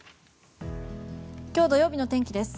今日土曜日の天気です。